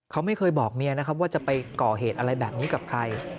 เขาไม่เคยบอกเมียนะครับว่าจะไปก่อเหตุอะไรแบบนี้กับใคร